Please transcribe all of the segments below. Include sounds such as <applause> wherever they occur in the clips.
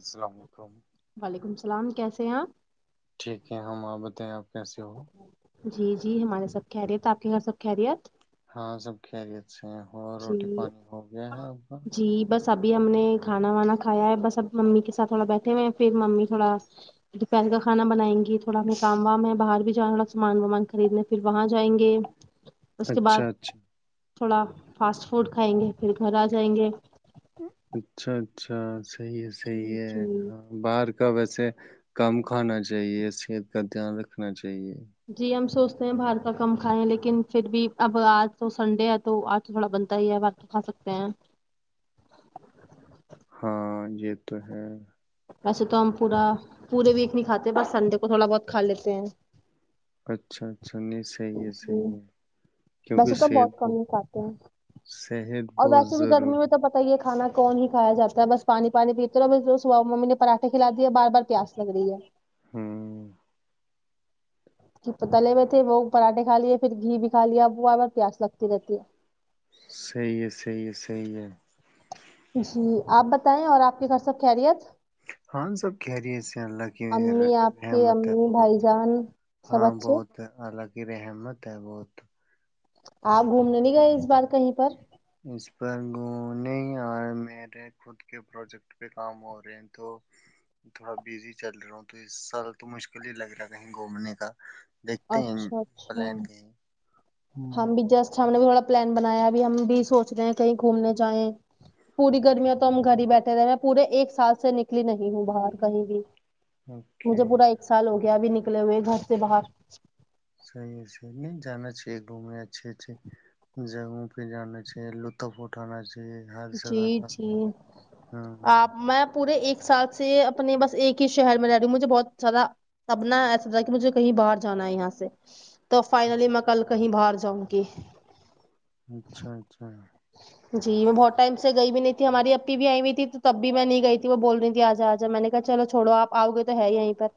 السلام علیکم سلام کیسے ہیں آپ ٹھیک ہے ہم آپ بتائیں آپ کیسے ہو جی جی ہمارے سب خیریت آپ کے گھر سب خیریت ہاں سب خیریت اچا ہو جی روٹی پانی ہو گیا ہے آپ کا سبھی ہم نے کھانا وانا کھایا ہے بس اب ممی کے ساتھ تھوڑا بیٹھے ہوئے ہیں پھر ممی تھوڑا پل کا کانا بنائیں گی تھوڑا ہم کام وام ہے باہر بھی جاا تھوڑا سامان وامان خریدنے پھر وہاں جائیں گے اچھا اچھا تھوڈا فاسٹ فوڈ کھائیں گے پھر گھر آ جائیں گے اچھا اچھا صحیح ہے صحیح جی ہے جی ہاں باہر کا ویسے کم کھانا چاہیے صحت کا دھیان رکھنا چاہیے جی ہم سوچتے ہیں باہر کا کم کھائائےیں لیکن پھر بھی اب آج تو سنڈے ہے تو آج تو تھوڑا بنتا ہی ہے باہر کا کھا سکتے ہیں ہاں یہ تو ہے ویسے تو ہم پورا پورے ویک نہیں کھاتے بس سنڈے کو تھوڑا بہت کھا لیتے ہیں اچھاا سننی صحیح ہے صحیح ہے کیونکہ ویسے تو صحت بہت کم ب ہی کھاتے ہیں صحت اور بہت ویسے بھی گرمی ضروری میں تو ہے پتا ہی کھانا کون ہی کایا جاتا ہے بس پانی پانی پیتے رہ اور ب ممی نے پراٹھے کھلا دی ہے بار بار پیاس لگ رہی ہے ہوں تلے ہوئے تھے وہ پراٹھے کھا لیے پھر گھی بھی کایا ابو آپ پیاس لگتی رہتی ہے صی ہے صی ہے صی ہے جی آپ بتائیں اور آپ کی گ سب خریت ہاں سب کہہ رہی اس سے اللہ کی امی آپ کے رحمت ہے امی بہت بھائی جان سب ہاں اچھے بہت اللہ کی رحمت ہے بہت آپ گھومنے نہیں گئے اس بار کہیں پر اس پر گھومنے ار میرے خود کے پروجیکٹ پہ کام ہو رہے ہیں تو تھوڑا بزی چل رہا ہوں تو اس سال تو مشکل ہی لگ رہا ہے کہیں گھومنے کا دیکھتے ہیں اچھا اچھا پلان کہیں ہوں ہم بھی ج ہم نے بھی تھوڑا پلان بنایا بھی ہم بھی سوچ رہے ہیں کہیں گھومنے جائیں پوری گرمیاں تو ہم گھر ہی بیٹھے رہے میں پورے ایک سال سے نکلی نہیں ہوں باہر کہیں بھی اوکے مجھے پورا ایک سال ہو گیا ابھی نک نکلے ہوئے گھر سے باہر صحیح ہے صحی نہیں جانا چاہیے گھومنے اچھے اچھے جگہوں پہ جانا چاہی لطف اٹانا چاہ جی جی ہاں آپ میں پورے ایک سال سے اپنے بس ایک ہی شہر میں رہ رہی ہوں مجھے بہت زیادہ ابنا ایسا ہو کہ مجھے کہیں باہر جانا ہے یہاں سے تو فائنلی میں کل کہیں باہر جاؤںگی اچھا اچھا تب بھی میں نہیں گئی تھی وہ بول رہی تھی اجا اجا میں نے کہا چلو چھوڑو اپ اؤ گے تو ہیں یہیں پر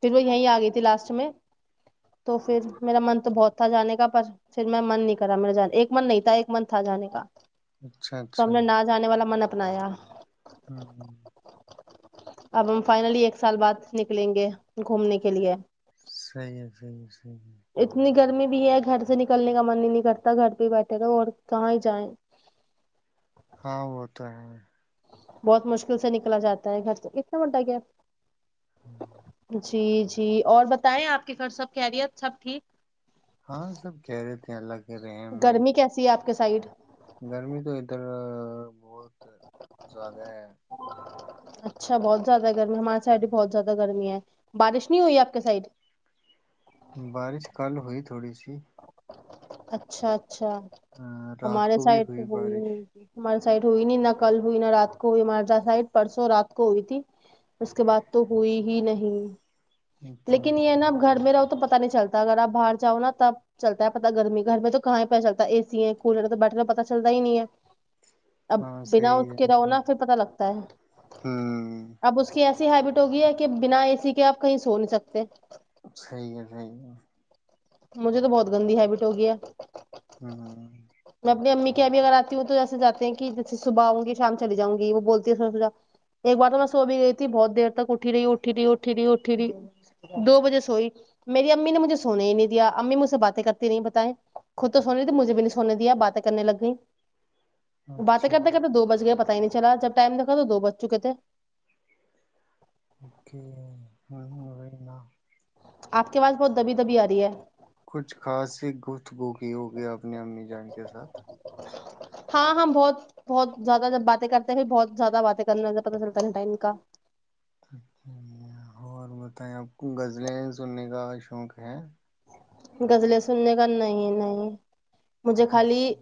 پھر وہ یہیں ا گئی تھی لاسٹ میں تو پھر میرا من تو بہت تھا جانے کا پر پھر میں من نہیں کر رہا میری جان ایک من نہیں تھا ایک من تھا جانے کا اچھا تو ہم اچھا نے نہ جانے والا من اپنایا ہاں ہ اب ہم فائنلی ایک سال بعد نکلیں گے گھومنے کے لیے صحی ہے صحی ہے صحیح ہے اتنی گرمی بھی ہے گھر سے نکلنے کا من ہی نہیں کرتا گھر پہ ہی بیٹھے رہ اور کہ ہی جائیں ہاں وہ تو ہے بہت مشکل سے نکلا جاتا ہے گھر تو کتنا مڈا گ <unintelligible> جی جی اور بتائیں آپ کے گھر سب خیریت سب ٹھیک ہاں سب کہہ رہے تھے سے الگ کے ریم میں ایک سائڈ گرمی تو ادھر بہت زیادہ ہے اچھا بہت زیاد گرمی ہماریے سائڈ بھی بہت ہوں زیادہ گرمی ہے بارش نہیں ہوئی آپ کے سائڈ بارش کل ہوئی تھوڑی سی اچھا اچھ اچھا رات ہمارے کو بھی سائڈ تو ہوئی بارش وہی ہمار سائڈ ہوئی نہیں نہ کل ہوئی نہ رات کو ہوئی ہمار سائٹ پرسوں رات کو ہوئی تھی اس کے بعد تو ہوئی ہی نہیں اچھا لیکن اچھا یہ نا اب گھر میں رہاو تو پ پتا نہیں چلتا اگر آ باہر جاؤ نا تب چلتا ہے گرمی گھر میں تو کہاں ہی پتاہ چلتا ہے اے سی ہے کولر ہے تو بیٹھنے پت چلتا ہی نہیں ہے اب ہاں بنا صحیح اس ہے کے ہوں رونا پھر پتا لگتا ہے اب اس کے ایسا ای ہیبٹ ہوگی ہے کہ بنا اے سی کے آپ کہیں سو نہیں سکتے صحی ہے صحی ہے مجھے تو بہت گندی ہیبٹ ہو گیا ہے <unintelligible> میں اپنی امی کےب بھی اگر آتی ہوں تو جیسےاتے ہیں کہ جیسے صبح آؤں گی شام چلی جاں گی وہ بولتی ہے سو سجا ایک بار تو میں سو بھی گئی تھی بہت دیر تک اٹھی رہی اٹھی رہی اٹھی رہی اٹھی رہی دو بجے سوئی میری امی نے مجھے سونے ہی نہیں یا امی مجھ سے باتیں کرتی نہیں بتائ خود تو سونی تھی مجھے بھی نہیں سونے دیا باتیں کرنے لگ گئی باتیں اچھا کرنے کرتے دو بج گیا پتا پت ہی نہیں چلا جب ٹائم دیکھا تو دو بچ چکے تھے اوکے <unintelligible> آپ کے پاس بہت دبی دبی آ رہی ہے کچھ خاصی گفتگوکھی ہوگی اپنی امی جان کے ساتھ ہاں ہاں بہت بہت زیادہ جب باتیں کرتے ہیں بہت زیادہ باتیں کرنا پ کا اچھا اور بتائیں آپ کو غزلیں سننے کا شوق ہے گزل سننے کا نہیں نہیں مجھے خالی ہے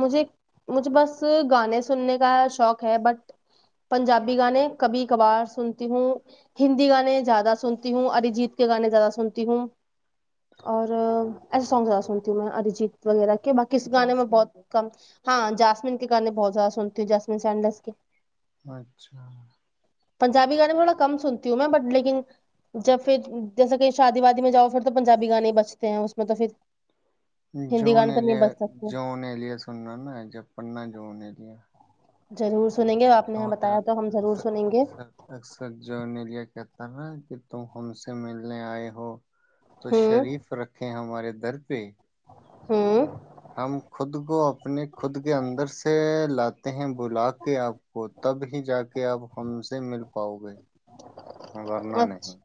مجھے مجھے بس گانے سننے کا شوق ہے بٹ پنجابی گانے کبھی کبھار سنتی ہوں ہندی گانے زیادہ سنتی ہوں اریجیت کے گانے زیادہ سنتی ہوں اور ایسے سانگ زیادہ سنتی ہوں میں ارریجیت وغیرہ کے باقی اس گانے میں بہت کم ہاں جاسمین کے گانے بہت زیادہ سنتی ہوں جاسمین سینڈس کے اچھا پنجابی گانے میں تھوڑا کم سنتی ہوں میں بٹ لیکن جب پھر جیسا کہ شادی وادی میں جاؤ پھر تو پنجابی گانے بچتے ہیں اس میں تو پھر جو ہندی گانے نے تو نہیں لیا بج سکتے جو نے لیا سننا نا جب پڑھنا جو نے لیا ضرور سنیں گے آپ نے ہمیں اکر بتایا تو ہم ضرور سنیں گے اکثر جو نے لیا کہ کہ تم ہم سے ملنے آئے ہو تو ہوں شریف رکھے ہمارے در پہ ہوں ہم خود کو اپنے خود کے اندر سے لاتے ہیں بلا کے آپ کو تب ہی جا کے آپ ہم سے مل پاؤ گے ہ کرنا نہیں اچھا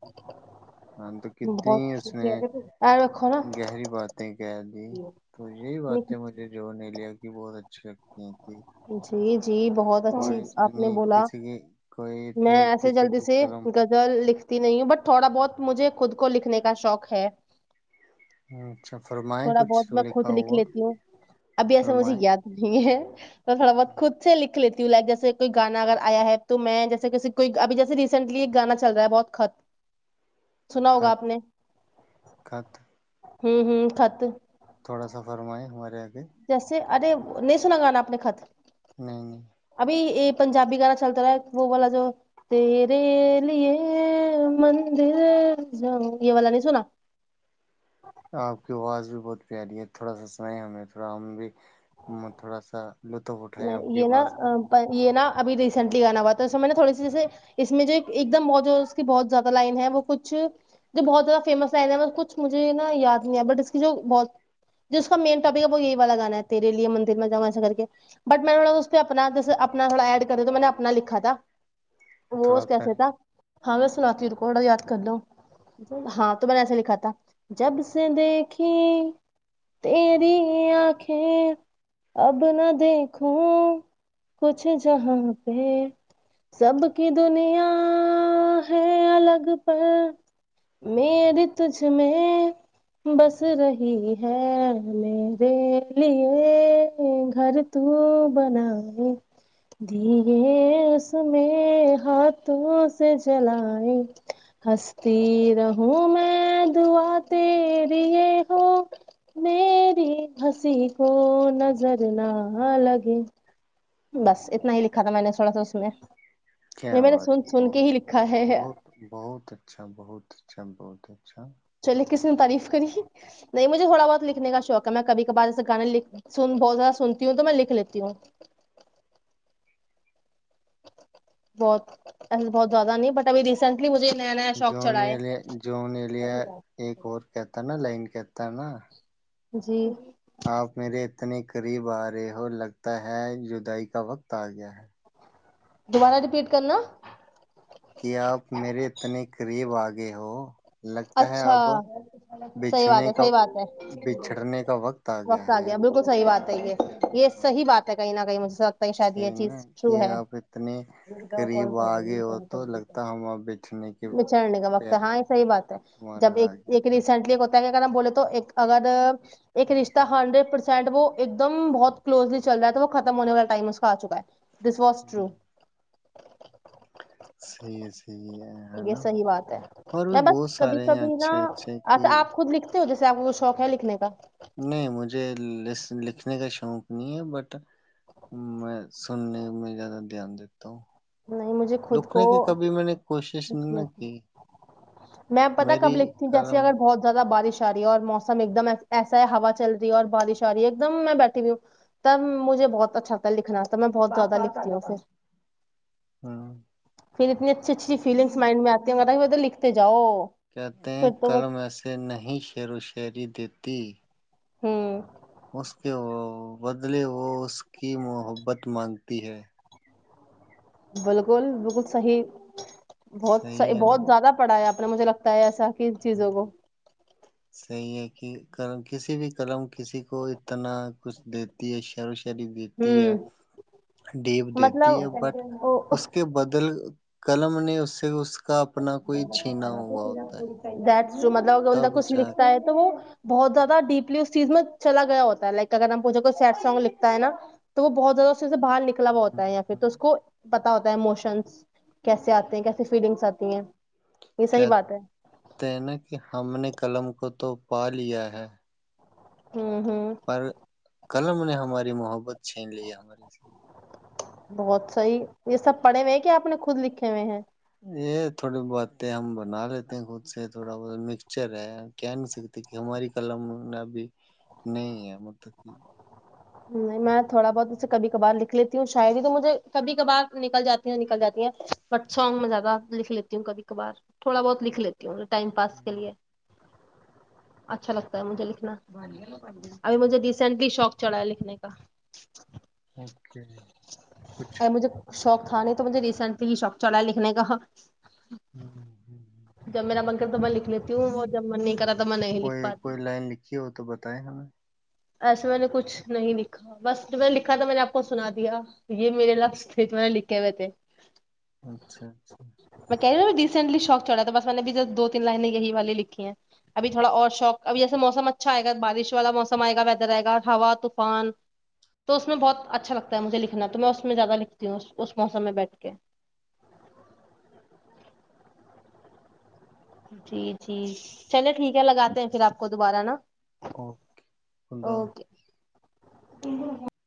ہاں تو کتنی اس بہت میں یار رکھو نا گہری باتیں کہہ دی تو یہی اپنی۔ بات ہے مجھے جوور نہیں لیا بھی بہت اچھے لگتے ہیں جی جی جی بہت اچھی آپ نے بولا کسی کی کوئی میں اتنی ایسے کسی جلدی کی سے قلم زل لکھ نہیں ہوں بٹ تھوڑا بہت مجھے خود کو لکھنے کا شوق ہے ہاں تھوڑا بہت میں خود لکھ لیتی ہوں ابھی ایسا مجھے فرمائیں یاد نہیں ہے ج تو تھوڑا بت خود سے لکھ لیتی ہوں لائک جیسے کوئی گانا اگر آیا ہے تو میں جیسے ک کوئی ابھی جیسے ریسینٹلی ایک گانا چل رہا ہے بہت خط سنا ہوگا خط آپ نے خط ہوں ہوں پ تو تھوڑا سا فرمائیں ہمارے یہاں جیسے ارے نہیں سنا گانا اپنے خطر نہیں نہیں یہ پنجابی گانا چلتا رہا ہے وہ والا جو تیرے لی مندر یہ والا نہیں سنا آپ کی آواز بھی بہت پیاری ہے تھوڑا سا سنائیں ہمیں تھوڑا ہم بھی تھوڑا سا لطف اٹھائیں آپ نہیں کی یہ نا آواز کا یہ نا ابھی ریسینٹلی گانا ہوا تو میں نے تھوڑی سی جیس اس میں جو ایک دم اس کی بہت زیادہ لائن ہے وہ کچ جو بہت زیادہ فیمس لائن ہے کچھ مجے نا یاد نہیں ہے بٹ اس کی جو بہت جو اس کا مین ٹاپک ہے وہ یہی والا گانا ہے تیرے لیے مندر میں جاما س کے بٹ میں تھوا اس اپنا اپنا تھوڑا ایڈ کر تو میں نے اپنا لکھا تھا وہ تھوڑا کیسے کریں تھا ہاں میں سناتی ہوں رکاڈ یاد کر لو ہاں تو میں نے ایسے لکھا تھا جب سے دیکھیھی تری آنکھیں اب نہ دیک ہوں کچھ جہاں پہ سب کی دنیا ہے الگ پر مری تجھ میں بس رہی ہے میرے لیے گھر تو بنائی دے اس میں ہاتھوں سے جلائی ہستی رہوں میں دعا تری ہو میری ہنسی کو نظر نہ ہاں الگ ہی بس اتنا ہی لکھا تھا میں نے تھوڑا سا اس میں کیا یہ میں نے بات سن ہے سن کے بہت ہی بہت لکھا ہے بہت بہت اچھا بہت اچھا بہت اچھا چلیے کسی نے تعریف کری نہیں مجھے تھوڑا بہت لکھنے کا شوق ہے میں کبھی کبھار ایسے گانے لکھ سن بہت زیادہ سنتی ہوں تو میں لکھ لیتی ہوں بہت ایسا بہت زیادہ نہیں بٹ ابھی ریسینٹلی مجھے نیا نیا شوق جو چڑھا ہے جون ایل ایک اور کہتا نا لائن کہتا تا نا جی آپ میرے اتنے قریب آ رہے ہو لگتا ہے جدائی کا وقت آ گیا ہے دوبارہ رپیٹ کرنا کیا آپ میرے اتنے قریب آگئے ہو لگتا ہے اچھا اب صحیح بات بچھنے ہے کا صحیح بات ہے وقت آ گیا بالکل صحیح بات ہے صحیح ہے یہ ہاں، صحیح بات تو ہے کہیں نہ کہیں مجھے سے لگتا ہے شاید یہ صحیح نا چیز ٹرو کہ ہے آپ اتنے قریب آگے ہو تو لگتا ہم آپ بیچنے کے بچڑنے کا وقت پہ ہے ہاں یہ صحیح بات جب ہمارا آ گیا ایک تو ریسینٹلی کو بولے تو اگر ایک رشتہ ہنڈریڈ پرسینٹ وہ ایک دم بہت کلوزلی چل رہا ہے تو وہ ختم ہونے والا ٹائم اس کا آ چکا ہے دس واز ٹرو ہ صحیح ہے صحیح ہے ہے یہ نا صحیح بات ہے اور بھی میں بس بہت کبھی سارے ہیں کبھی نا اچھے اچھے کہ آپ خود لکھ جیس آپ کو شوق ہے لکھنے کا نہیں مجھے لکھنے کا شوق نہیں ہے بٹ میں سننے میں زیادہ دھیان دیتا لکھنے کے کبھی میں نے کوئی اچھا میں پتا میری کب لکھتی ہوں جیسے قلم اگر بہت زیادہ بارش اور موسم ایک دم ایسا ہے ہوا چل رہی ہے اور بارش آ رہی ہے ایک دم میں بیٹھی ہوئی ہوں تب مجھے بہت اچھا لگتا ہے لکھنا تب میں بہت زیادہ لکھتی ہوں پھر ہممم پھر اتنی اچھی اچھی فیلنگس مائنڈ میں آتی ہے گر تو لکھتے جاؤ کہتے ہیں پھر تو کل بس میں سے نہیں شعر و شاعری دی تی ہممم اس کے بدلے وہ اس کی محبت مانگتی ہے بالکل بالکل صحیح بہت سہ صحیح ہے نا بہت زیادہ پڑھایا مجھے لگتا ہے تاکہ چیزوں ہ کو صحیح ہے کہ کسی بھی قلم کسی کو اتنا کچھ دیتی ہے شعر ری دیتی ہے ہوں ڈیپ دیتی ہے بٹ مطلب اس کے بدل قلم نے اس سے اس کا اپنا <inaudible> کوئی چھینا ہوا ہوتا ہے جو مطلب اندر تب کچھ جا لکھتا ہے تو وہ بہت زیادہ ڈیپ اس چیز میں چلا گ ہوتا لائک اگر ہم پجھے کوئی سیڈ سانگ لکھتا ہے نا تو وہ بہت زیادہ سے باہر نکلا ہوا کے ہوتا ہے یا پھر تو اس کو پتا ہوتا ہے ایموشنس کیسے آتے ہیں کیسے فیلنگس آتے تی ہیں <inaudible> کیاتے نا کہ ہم نے قلم کو تو پا لیا ہے ہوں ہوں پر قلم نے ہماری محبت چھین لی ہے ہمارے سے بہت صحیح یہ سب پڑھے ہوئے ہیں کیا آپ نے خود لکھے ہوئے ہیں یہ تھوڑی بہات ہم بنا لیتے ہیں خود سے تھوڑا بہ مکسچر ہے کہ نہیں سکتے کہ ہماری قلم ابھی نہیں ہے مطلب کہ <inaudible> تھوڑا بہت اسے کب کبار لکھ لیتے ہ شاید ہی تو مجھے کبھی کبار نکل جاتی ہیں نکل جاتی ہیں بٹ سانگ میں زیادہ لکھ لیتی ہوں کبھی کبھار تھوڑا بہت لکھ لیتی ٹائم پاس کے لیے اچھا لگتا ہے مجھے لکھنا ابھی مجھے ریسینٹلی شوق چڑھا ہے لکھنے کا اوکے کچھ اور مجھے شوق کھانے تو مجھے ریسنٹ پ شوب چڑھا ہے لکھنے کا <inaudible> جب میرا بن کر توبا لکھ لیتی ہوں وہ جب من نہیں کرا تو میں نہیں لکھ کوئی پاتی کوئی لائن لکھی ہو تو بتیں ہمیں ایسے میں نے کچھ نہیں لکھا بس جب میں نے لکھا تھا میں نے آپ کو سنا دیا یہ میرے لفظ تھے جو میں نے لکھے ہوئے تھے اچھا اچھا کہ رسینٹلی شوق چڑا تھا بس میں نے بھیبس دو تین لائن یہی والی لکھی ہیں ابھی تھوڑا اور شوق ابھییس موسم اچھا آ گا بارش والا موسم ئے گا ویدر آئے گا ہوا طوفان تو اس میں بہت اچھا لگتا ہے مجھے لکھنا تو میں اس میں زیادہ لکھتی ہوں اس موسم میں بیٹھ کے جی جی چلے ٹھیک ہے لگاتے ہیں پھر آپ کو دوبارہ نا اوکے <inaudible> <inaudible>